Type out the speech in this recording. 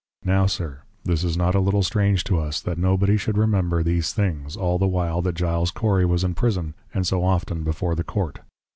Now Sir, This is not a little strange to us; that no body should Remember these things, all the while that Giles Cory was in Prison, and so often before the Court.